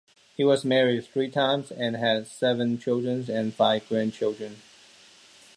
He was married three times, and had seven children and five grandchildren.